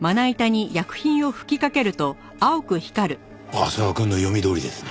浅輪くんの読みどおりですね。